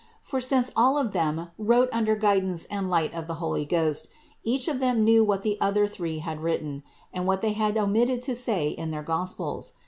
For, since all of them wrote under guidance and light of the Holy Ghost, each of them knew what the other three had written, and what they had omitted to say in their Gospels.